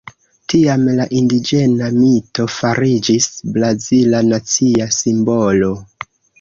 Tiam la indiĝena mito fariĝis brazila nacia simbolo.